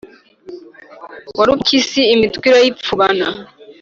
Warupyisi imitwe irayipfubana